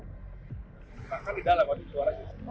makan di dalam makanya di luar aja